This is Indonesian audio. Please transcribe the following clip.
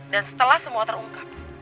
dan setelah semua terungkap